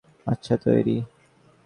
আচ্ছা, তৈরি?